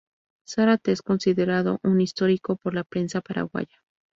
Zárate es considerado un 'histórico' por la prensa paraguaya.